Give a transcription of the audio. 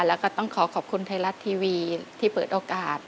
แล้วก็ต้องขอขอบคุณไทยรัฐทีวีที่เปิดโอกาส